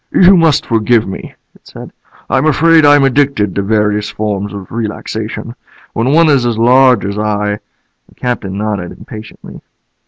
"You must forgive me," it said. "I'm afraid I'm addicted to various forms of relaxation. When one is as large as I " The Captain nodded impatiently.